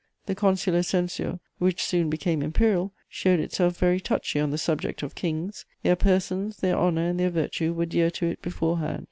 The consular censure, which soon became imperial, showed itself very touchy on the subject of kings: their persons, their honour and their virtue were dear to it beforehand.